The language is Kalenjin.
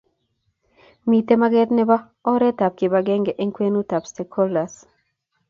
Mitei mageet nebo oretab kibagenge eng kwenutab stakeholders.